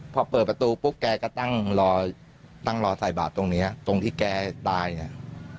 พอเปิดประตูปุ๊บแกก็ตั้งรอตั้งรอใส่บาทตรงนี้ตรงที่แกตายเนี่ย